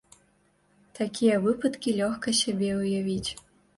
Такія выпадкі лёгка сабе ўявіць.